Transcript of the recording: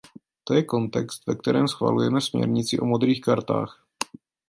To je kontext, ve kterém schvalujeme směrnici o modrých kartách.